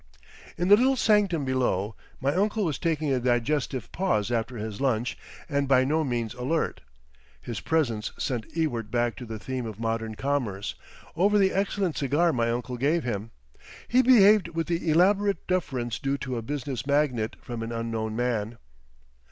In the little sanctum below, my uncle was taking a digestive pause after his lunch and by no means alert. His presence sent Ewart back to the theme of modern commerce, over the excellent cigar my uncle gave him. He behaved with the elaborate deference due to a business magnate from an unknown man.